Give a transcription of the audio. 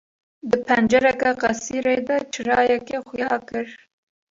Di pencereke qesirê de çirayekê xuya kir.